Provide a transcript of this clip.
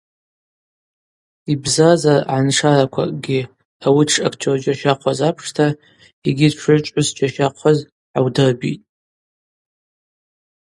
Йбзазара агӏаншараквакӏгьи ауи дшактер джьащахъваз апшта йгьи дшгӏвычӏвгӏвыс джьащахъваз гӏаудырбитӏ.